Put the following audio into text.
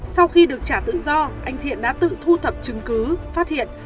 sau khi được trả tự do anh thiện đã tự thu thập chứng cứ phát hiện